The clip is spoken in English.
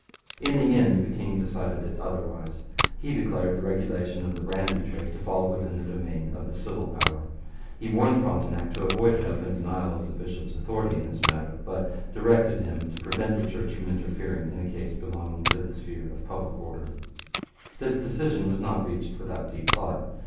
In the end the king decided it otherwise. He declared the regulation of the brandy trade to fall within the domain of the civil power. He warned Frontenac to avoid an open denial of the bishop's authority in this matter, but directed him to prevent the Church from interfering in a case belonging to the sphere of public order. This decision was not reached without deep thought.